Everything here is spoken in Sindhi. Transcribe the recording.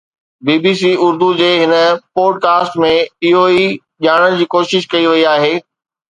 بي بي سي اردو جي هن پوڊ ڪاسٽ ۾ اهو ئي ڄاڻڻ جي ڪوشش ڪئي وئي آهي